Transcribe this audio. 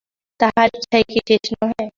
তাঁহার ইচ্ছাই কি শেষ নহে।